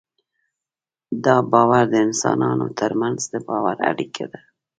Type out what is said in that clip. دا باور د انسانانو تر منځ د باور اړیکه ده.